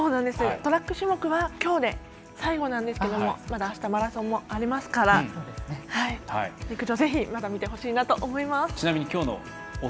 トラック種目は今日で最後ですがあした、マラソンもありますから陸上、ぜひまた見てほしいと思います。